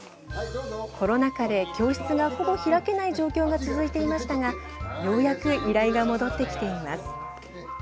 コロナ禍で教室がほぼ開けない状況が続いていましたがようやく依頼が戻ってきています。